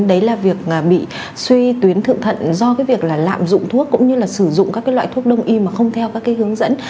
đấy là việc bị xuy tuyến thượng thận do việc lạm dụng thuốc cũng như sử dụng các loại thuốc đông y mà không theo các hướng dẫn